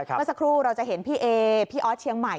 เมื่อสักครู่เราจะเห็นพี่เอพี่ออสเชียงใหม่